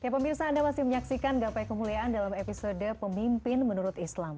pemirsa anda masih menyaksikan gapai kemuliaan dalam episode pemimpin menurut islam